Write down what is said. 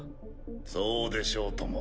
そうでしょうとも。